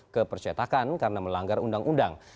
ke percetakan karena melanggar undang undang